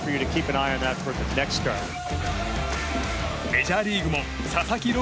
メジャーリーグも佐々木朗